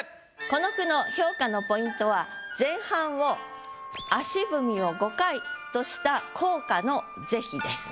この句の評価のポイントは前半を「足踏みを五回」とした効果の是非です。